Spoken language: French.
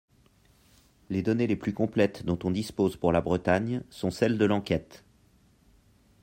Les données les plus complètes dont on dispose pour la Bretagne sont celles de l’enquête.